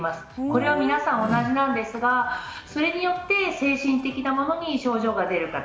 これは皆さん同じなんですがそれによって精神的なものに症状が出る方